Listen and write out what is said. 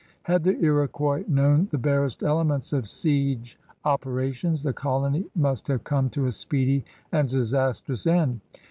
Had the Iroquois known the barest elements of si^;e operations, the colony must have come to a speedy and disastrous end.